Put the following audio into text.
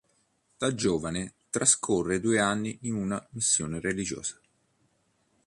Da giovane trascorre due anni in una missione religiosa.